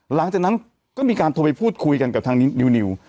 หลังจากนั้นก็มีการโทรไปพูดคุยกันกับทางนี้นิว